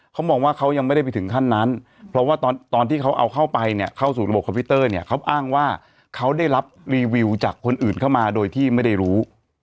เขามองว่าเขายังไม่ได้ไปถึงขั้นนั้นเพราะว่าตอนที่เขาเอาเข้าไปเนี่ยเข้าสู่ระบบคอมพิวเตอร์เนี่ยเขาอ้างว่าเขาได้รับรีวิวจากคนอื่นเข้ามาโดยที่ไม่ได้รู้